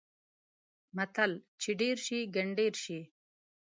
متل: چې ډېر شي؛ ګنډېر شي.